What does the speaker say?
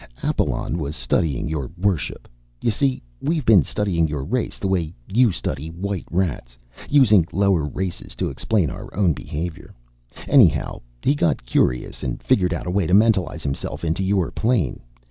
"Apalon was studying your worship. You see, we've been studying your race the way you study white rats, using lower races to explain our own behavior. Anyhow, he got curious and figured out a way to mentalize himself into your plane.